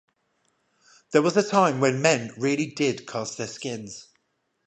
There was a time when men really did cast their skins.